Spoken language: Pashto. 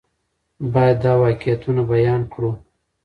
باید دا واقعیتونه بیان کړو.